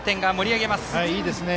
いいですね。